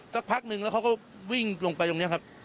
สักพักนึงแล้วเขาก็วิ่งลงไปตรงนี้ครับ